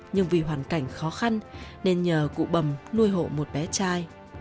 nhưng vì hoàn cảnh khó khăn nên nhờ cụ bầm nuôi hộ một bé trai